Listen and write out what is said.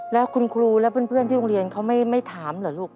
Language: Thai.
แล้วคุณครูและเพื่อนที่โรงเรียนเขาไม่ถามเหรอลูก